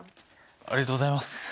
ありがとうございます。